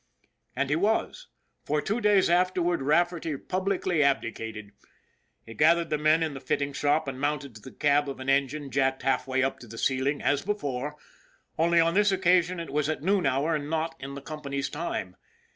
And he was, for two days afterward Rafferty pub licly abdicated. He gathered the men in the fitting shop and mounted to the cab of an engine jacked half way up to the ceiling as before, only on this occasion it was at noon hour and not in the company's time.